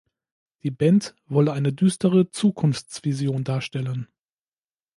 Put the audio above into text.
Die Band wolle eine düstere Zukunftsvision darstellen.